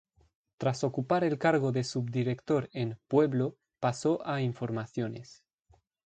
Tras ocupar el cargo de subdirector en "Pueblo", pasó a "Informaciones".